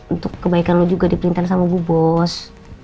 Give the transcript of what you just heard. untuk kebaikan lo juga dipintan sama bu bos